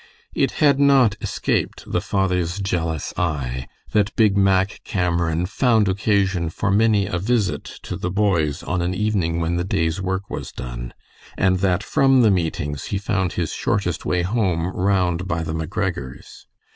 It had not escaped the father's jealous eye that Big Mack Cameron found occasion for many a visit to the boys on an evening when the day's work was done, and that from the meetings he found his shortest way home round by the McGregor's.